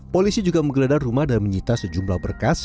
polisi juga menggeledah rumah dan menyita sejumlah berkas